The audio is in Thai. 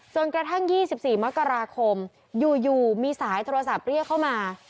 จนกระทั่ง๒๔มกราคมอยู่มีสายโทรศัพท์เรียกเข้ามา